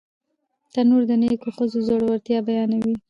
تنور د نیکو ښځو زړورتیا بیانوي